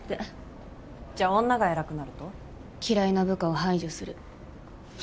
じゃあ女が偉くなると？嫌いな部下を排除する。